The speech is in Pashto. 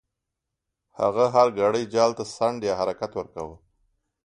هغه هر ګړی جال ته څنډ یا حرکت ورکاوه.